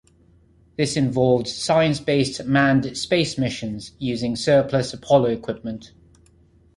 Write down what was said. This involved science-based manned space missions using surplus Apollo equipment.